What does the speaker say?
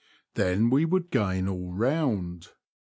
Then we would gain all round.